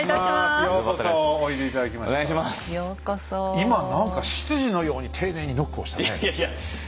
今何か執事のように丁寧にノックをしたねえ。